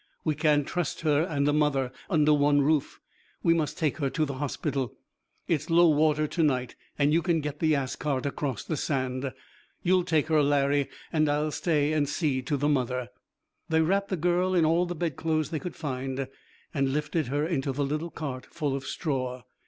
'We can't trust her and the mother under one roof. We must take her to the hospital. It's low water to night, and you can get the ass cart across the sand. You'll take her, Larry, an' I'll stay an' see to the mother.' They wrapped the girl in all the bedclothes they could find and lifted her into the little cart full of straw.